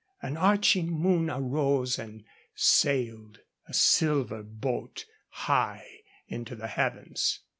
An arching moon arose and sailed, a silver boat, high into the heavens.